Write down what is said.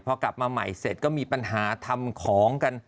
พอกลับมาใหม่เสร็จก็มีปัญหาทำของกัน